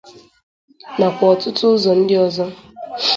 nakwa ọtụtụ ụzọ ndị ọzọ.